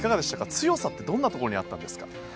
強さってどんなところにあったんですか？